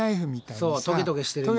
そうトゲトゲしてるんですよ。